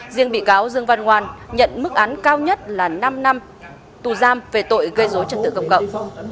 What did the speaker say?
riêng bị cáo dương văn ngoan nhận mức án cao nhất là năm năm tù giam về tội gây dối trật tự công cộng